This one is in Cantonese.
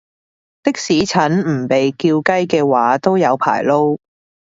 的士陳唔被叫雞嘅話都有排撈